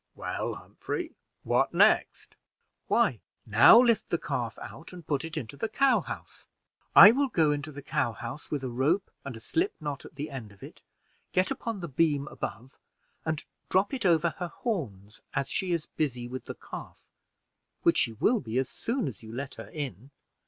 "Well, Humphrey, what next?" "Why, now lift the calf out, and put it into the cow house. I will go into the cow house with a rope and a slip knot at the end of it, get upon the beam above, and drop it over her horns as she's busy with the calf, which she will be as soon as you let her in.